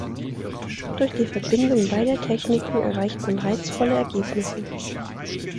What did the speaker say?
Durch die Verbindung beider Techniken erreicht man reizvolle Ergebnisse.